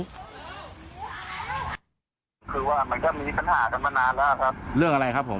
คือว่ามันก็มีปัญหากันมานานแล้วครับเรื่องอะไรครับผม